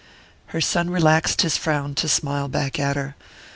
Her son relaxed his frown to smile back at her.